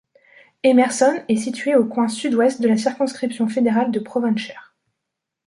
Emerson est situé au coin sud-ouest de la circonscription fédérale de Provencher.